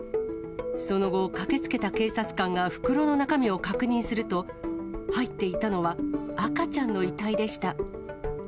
その後、駆けつけた警察官が袋の中身を確認すると、入っていたのは、赤ちゃんの遺体でした。